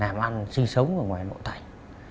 làm ăn sinh sống ở ngoài nội thành